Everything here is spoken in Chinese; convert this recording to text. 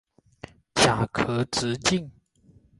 甲壳直径。